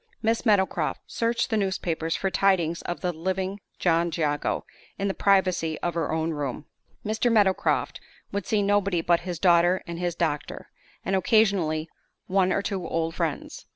Miss Meadowcroft searched the newspapers for tidings of the living John Jago in the privacy of her own room. Mr. Meadowcroft would see nobody but his daughter and his doctor, and occasionally one or two old friends.